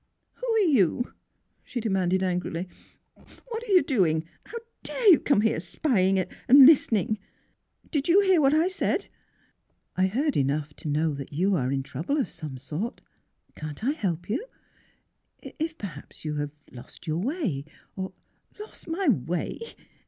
'' Who are you? " she demanded angrily. " "What are you doing? How dare you come here — spying — and — and listening? Did you — did you hear what I said? "" I heard enough to know that you are in trouble of some sort. Can't I help you — if, per haps, you have lost your way, or "^' Lost my way!